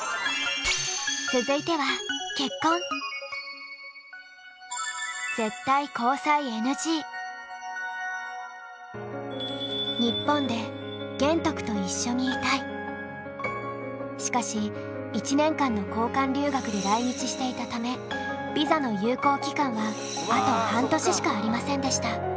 続いてはしかし１年間の交換留学で来日していたためビザの有効期間はあと半年しかありませんでした。